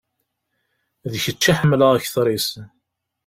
D kečč i ḥemmleɣ kteṛ-is.